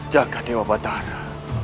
jaga dewa batara